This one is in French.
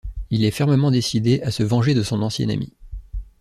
Il est fermement décidé à se venger de son ancien ami.